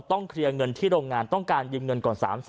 เคลียร์เงินที่โรงงานต้องการยืมเงินก่อน๓๐๐๐